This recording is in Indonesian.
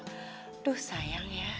aduh sayang ya